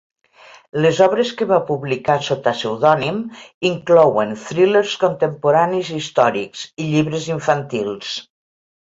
Les obres que va publicar sota pseudònim inclouen thrillers contemporanis i històrics i llibres infantils.